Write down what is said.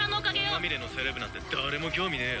「虚構まみれのセレブなんて誰も興味ねえよ」